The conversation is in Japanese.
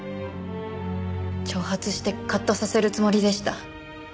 挑発してカッとさせるつもりでした。